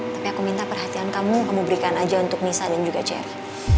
tapi aku minta perhatian kamu kamu berikan aja untuk nisa dan juga ceri